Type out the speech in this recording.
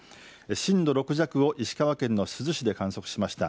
震度６弱を石川県の珠洲市で観測しました。